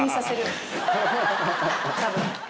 多分。